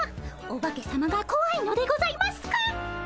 オバケさまがこわいのでございますか？